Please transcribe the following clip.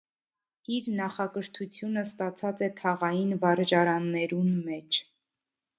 Իր նախակրթութիւնը ստացած է թաղային վարժարաններուն մէջ։